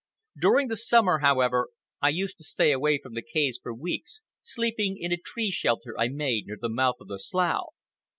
During the summer, however, I used to stay away from the caves for weeks, sleeping in a tree shelter I made near the mouth of the slough.